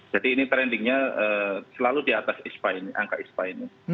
jadi ini trendingnya selalu di atas angka ispa ini